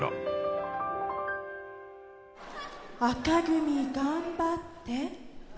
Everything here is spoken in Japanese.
紅組頑張って。